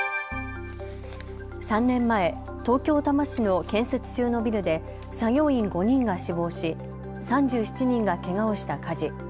３年前、東京多摩市の建設中のビルで作業員５人が死亡し３７人がけがをした火事。